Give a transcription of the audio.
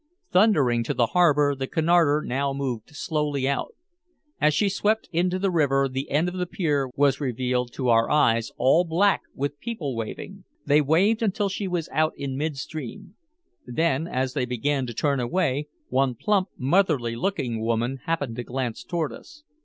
Thundering to the harbor, the Cunarder now moved slowly out. As she swept into the river the end of the pier was revealed to our eyes all black with people waving. They waved until she was out in midstream. Then, as they began to turn away, one plump motherly looking woman happened to glance toward us.